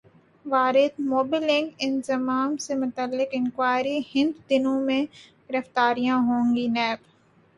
واردموبی link انضمام سے متعلق انکوائری ئندہ دنوں میں گرفتاریاں ہوں گی نیب